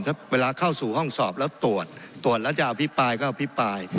ถ้าเวลาเข้าสู่ห้องสอบแล้วตรวจตรวจแล้วจะอภิปรายก็อภิปราย